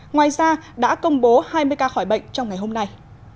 ngoài ra đã công bố hai mươi ca khỏi bệnh trong ngày hôm nay